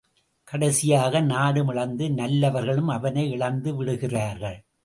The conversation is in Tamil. கடைசியாக நாடும் இழந்து நல்லவர்களும் அவனை இழந்து விடுகிறார்கள்.